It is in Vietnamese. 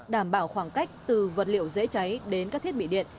đảm bảo khoảng cách từ vật liệu dễ cháy đến các thiết bị điện